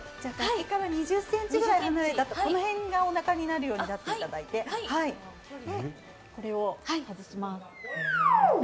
楽器から２０ｃｍぐらい離れたところ、この辺がおなかになるように立っていただいてこれを外します。